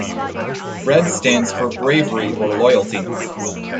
Red stands for bravery or loyalty.